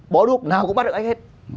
bó đuốc nào cũng bắt được ếch hết